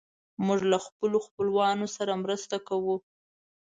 موږ له خپلو خپلوانو سره مرسته کوو.